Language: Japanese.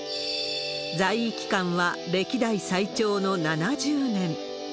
在位期間は歴代最長の７０年。